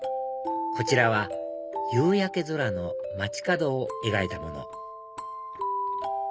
こちらは夕焼け空の街角を描いたもの